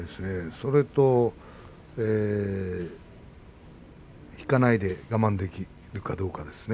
それと引かないで我慢できるかどうかですね。